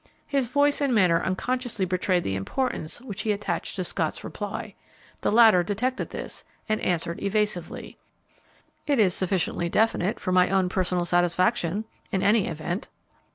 His voice and manner unconsciously betrayed the importance which he attached to Scott's reply. The latter detected this, and answered evasively, "It is sufficiently definite for any own personal satisfaction in any event."